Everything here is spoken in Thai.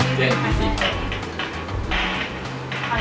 รัชนีศิษฐุอภาค